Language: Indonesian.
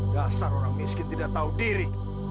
dasar orang miskin tidak tahu diri